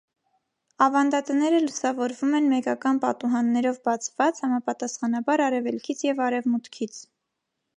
Ավանդատները լուսավորվում են մեկական պատուհաններով բացված, համապատասխանաբար արևելքից և արևմուտքից։